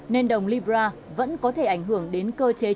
nên đồng libra vẫn có thể ảnh hưởng đến các chính sách hiện nay